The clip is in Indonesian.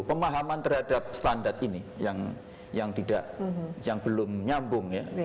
pemahaman terhadap standar ini yang belum nyambung ya